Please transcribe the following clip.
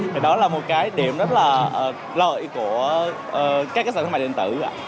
thì đó là một cái điểm rất là lợi của các sản phẩm điện tử